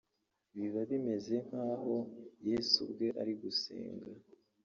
biba bimeze nk'aho yesu ubwe ari gusenga